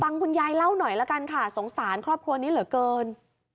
คุณยายเล่าหน่อยละกันค่ะสงสารครอบครัวนี้เหลือเกิน